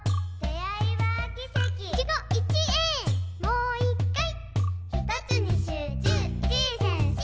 「もう一回」